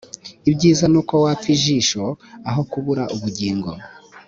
ibyiza ni uko wapfa ijisho aho kubura ubugingo